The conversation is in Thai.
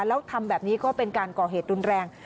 แล้วทำแบบนี้ก็เป็นการก่อเหตุรุนแรง